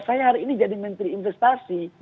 saya hari ini jadi menteri investasi